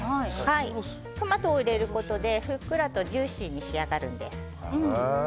トマトを入れることでふっくらとジューシーに仕上がるんです。